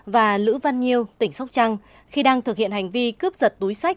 và lữ văn nhiêu tỉnh sóc trăng khi đang thực hiện hành vi cướp giật túi sách